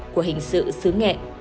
của hình sự xứ nghệ